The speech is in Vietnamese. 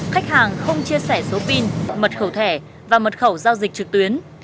khách hàng không chia sẻ số pin mật khẩu thẻ và mật khẩu giao dịch trực tuyến